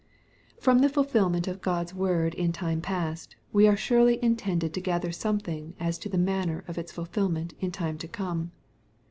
From the fulfilment of God's word in time past, we are surely intended to gather something as to the manner of its fulfilment in time to come.